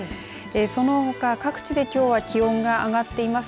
そのほか各地できょうは気温が上がっています。